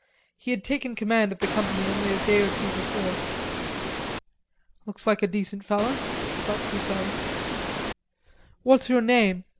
He had taken command of the company only a day or two before. "Looks like a decent feller," thought Fuselli. "What's your name?"